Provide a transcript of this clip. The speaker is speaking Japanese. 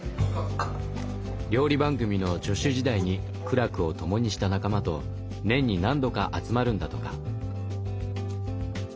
料理番組の助手時代に苦楽を共にした仲間と年に何度か集まるんだとか。